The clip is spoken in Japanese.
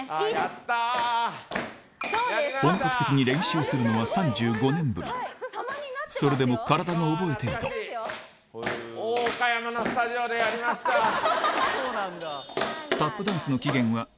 本格的に練習するのは３５年ぶりそれでも体が覚えていたそうなんだ。